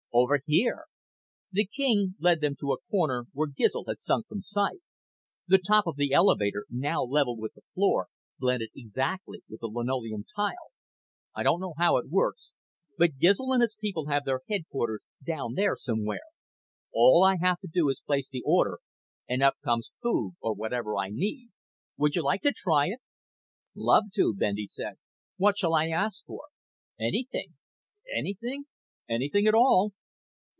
"Over here." The king led them to the corner where Gizl had sunk from sight. The top of the elevator, now level with the floor, blended exactly with the linoleum tile. "I don't know how it works, but Gizl and his people have their headquarters down there somewhere. All I have to do is place the order and up comes food or whatever I need. Would you like to try it?" "Love to," Bendy said. "What shall I ask for?" "Anything." "Anything?" "Anything at all."